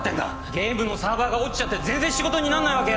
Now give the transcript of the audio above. ゲームのサーバーが落ちちゃって全然仕事になんないわけ！